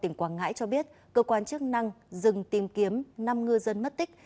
tỉnh quảng ngãi cho biết cơ quan chức năng dừng tìm kiếm năm ngư dân mất tích